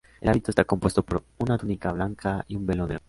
El hábito esta compuesto por una túnica blanca y un velo negro.